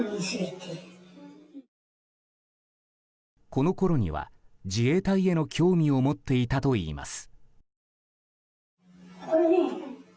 このころには、自衛隊への興味を持っていたといいます。